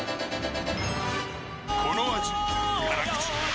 この味辛口。